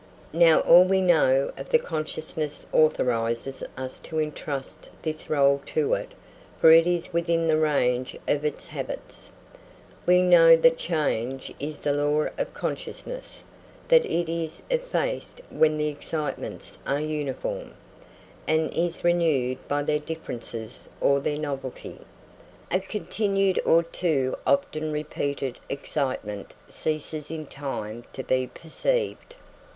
Now, all we know of the consciousness authorises us to entrust this rôle to it, for it is within the range of its habits. We know that change is the law of consciousness, that it is effaced when the excitements are uniform, and is renewed by their differences or their novelty. A continued or too often repeated excitement ceases in time to be perceived.